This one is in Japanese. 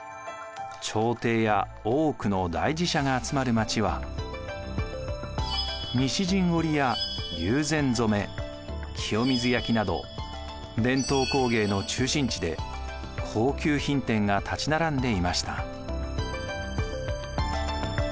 朝廷や多くの大寺社が集まる町は西陣織や友禅染清水焼など伝統工芸の中心地で高級品店が立ち並んでいました。